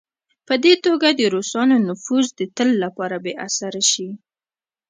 په دې توګه د روسانو نفوذ د تل لپاره بې اثره شي.